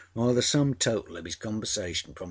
âThe sum total of âis conversation from 7.